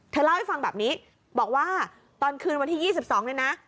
เล่าให้ฟังแบบนี้บอกว่าตอนคืนวันที่๒๒เนี่ยนะ